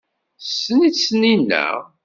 Tessen-itt Taninna?